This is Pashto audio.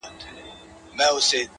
• نو پر تا به د قصاب ولي بری وای ,